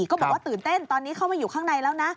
ก็บอกว่าตื่นเต้นตอนนี้เข้ามาอยู่ข้างในแล้วนะ